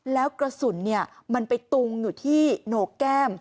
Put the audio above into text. แล้วกระสุนมันไปตุงอยู่ที่โหนกแก้ม